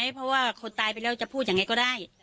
เพราะว่าคนตายไปแล้วจะพูดยังไงก็ได้